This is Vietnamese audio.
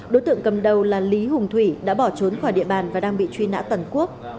đối tượng cầm đầu là lý hùng thủy đã bỏ trốn khỏi địa bàn và đang bị truy nã toàn quốc